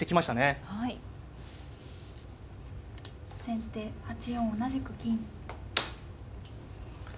先手８四同じく金。